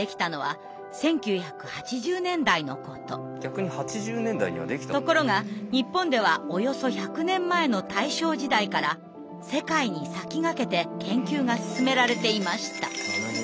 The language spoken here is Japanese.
非常に身近な病ですがところが日本ではおよそ１００年前の大正時代から世界に先駆けて研究が進められていました。